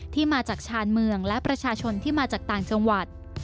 ที่มาจากชานเมืองและประชาชนที่มาจากต่างจังหวัด